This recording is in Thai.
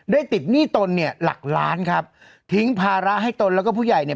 ติดหนี้ตนเนี่ยหลักล้านครับทิ้งภาระให้ตนแล้วก็ผู้ใหญ่เนี่ย